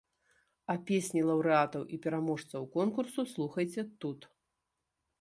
А песні лаўрэатаў і пераможцаў конкурсу слухайце тут.